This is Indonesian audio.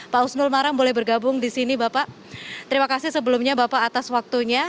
pak husnul maram boleh bergabung di sini bapak terima kasih sebelumnya bapak atas waktunya